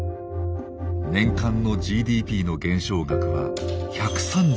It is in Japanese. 年間のＧＤＰの減少額は１３４兆円。